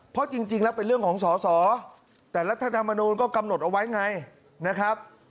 เพราะจริงแล้วเป็นเรื่องของสอสอแต่รัฐธรรมนูลก็กำหนดเอาไว้ไงนะครับ